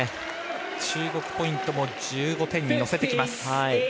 中国ポイントも１５点に乗せてきます。